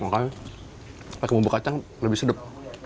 makanya pakai bumbu kacang lebih sedep